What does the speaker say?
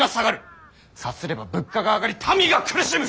さすれば物価が上がり民が苦しむ。